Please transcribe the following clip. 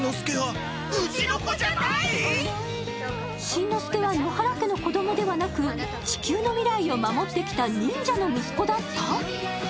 しんのすけは野原家の子供ではなく、地球の未来を守ってきた忍者の息子だった？